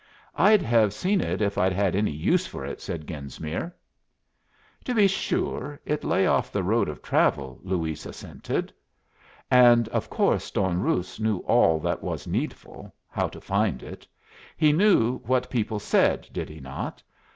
"I'd have seen it if I'd had any use for it," said Genesmere. "To be sure, it lay off the road of travel," Luis assented. And of course Don Ruz knew all that was needful how to find it. He knew what people said did he not?